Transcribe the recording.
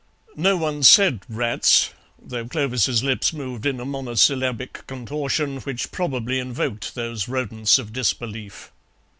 No one said "Rats," though Clovis's lips moved in a monosyllabic contortion which probably invoked those rodents of disbelief.